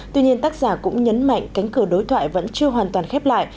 tuy nhiên tác giả cũng nhấn mạnh cánh cửa đối thoại vẫn chưa hoàn toàn khép lại